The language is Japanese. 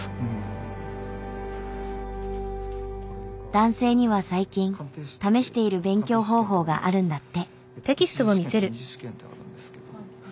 男性には最近試している勉強方法があるんだって。